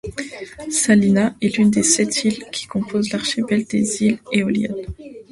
Salina est l’une des sept îles qui composent l’archipel des îles Éoliennes.